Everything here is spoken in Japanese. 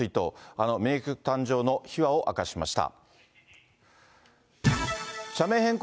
あの名曲誕生の秘話を明かしました。